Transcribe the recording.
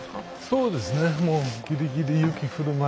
そうですね。